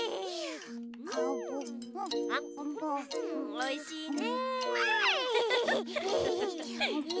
おいしいね！